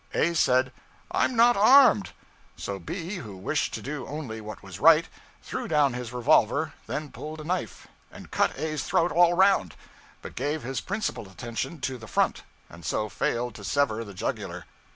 A said, 'I'm not armed.' So B, who wished to do only what was right, threw down his revolver; then pulled a knife, and cut A's throat all around, but gave his principal attention to the front, and so failed to sever the jugular.